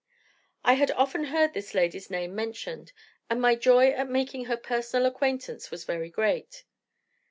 I had often heard this lady's name mentioned, and my joy at making her personal acquaintance was very great.